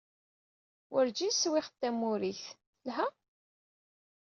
Werǧin swiɣ tamurrigt. Telha?